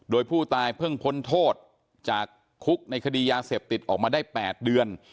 โดยผู้ตายเพิ่งพ้นโทษจากคุกในคดียาเสพติดออกมาได้๘เดือน